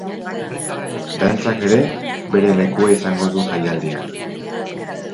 Dantzak ere, bere lekua izango du jaialdian.